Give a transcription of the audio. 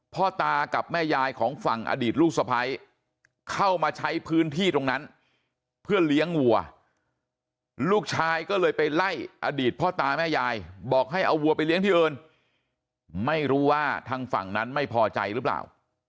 พ่อตากับแม่ยายของฝั่งอดีตลูกสะพ้ายเข้ามาใช้พื้นที่ตรงนั้นเพื่อเลี้ยงวัวลูกชายก็เลยไปไล่อดีตพ่อตาแม่ยายบอกให้เอาวัวไปเลี้ยงที่อื่นไม่รู้ว่าทางฝั่งนั้นไม่พอใจหรือเปล่า